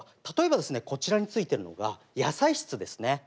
例えばですねこちらについてるのが野菜室ですね。